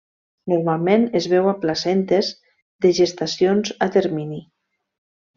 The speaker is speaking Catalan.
Normalment es veu a placentes de gestacions a termini.